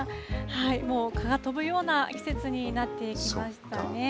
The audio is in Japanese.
もう蚊が飛ぶような季節になってきましたね。